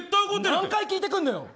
何回聞いてくんのよ